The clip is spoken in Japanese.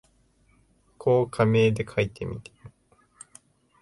こう仮名で書いてみても、